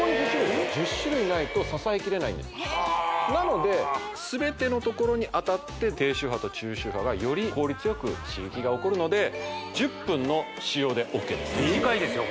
１０種類ないと支えきれないんですなので全てのところに当たって低周波と中周波がより効率よく刺激が起こるので１０分の使用でＯＫですはい・短いですよ